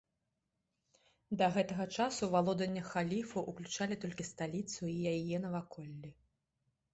Да гэтага часу валодання халіфаў ўключалі толькі сталіцу і яе наваколлі.